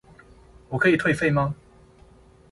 我可以退費嗎